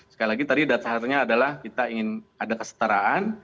sekali lagi tadi dasarnya adalah kita ingin ada kesetaraan